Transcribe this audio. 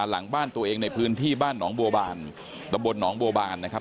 หลังบ้านตัวเองในพื้นที่บ้านหนองบัวบานตะบลหนองบัวบานนะครับ